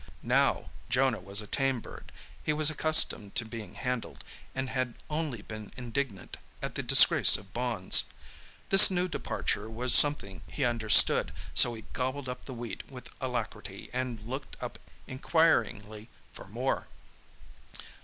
Now Jonah was a tame bird. He was accustomed to being handled, and had only been indignant at the disgrace of bonds. This new departure was something he understood; so he gobbled up the wheat with alacrity and looked up inquiringly for more.